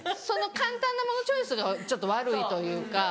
その簡単なものチョイスがちょっと悪いというか。